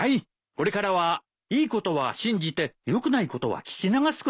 これからはいいことは信じてよくないことは聞き流すことにします。